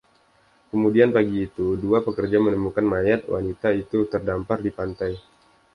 Kemudian pagi itu dua pekerja menemukan mayat wanita itu terdampar di pantai.